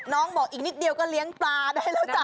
น้องบอกอีกนิดเดียวก็เลี้ยงปลาได้แล้วจ้ะ